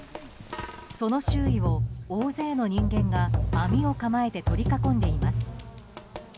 その周囲を大勢の人間が網を構えて取り囲んでいます。